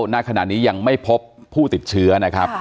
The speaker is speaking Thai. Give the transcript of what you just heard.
ณขณะนี้ยังไม่พบผู้ติดเชื้อนะครับ